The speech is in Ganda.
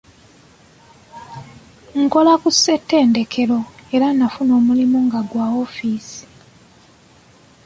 Kola ku Ssetendekero era nafuna omulimu nga gwa office.